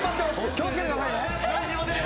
気を付けてくださいね。